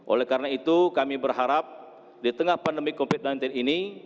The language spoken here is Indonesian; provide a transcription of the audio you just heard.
oleh karena itu kami berharap di tengah pandemi covid sembilan belas ini